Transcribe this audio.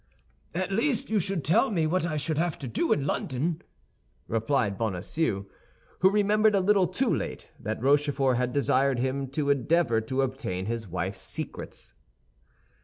"At least you should tell me what I should have to do in London," replied Bonacieux, who remembered a little too late that Rochefort had desired him to endeavor to obtain his wife's secrets.